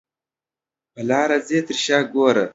په لاره ځې تر شا را ګورې.